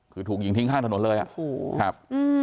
คือถูกยิงทิ้งข้างถนนเลยอ่ะโอ้โหครับ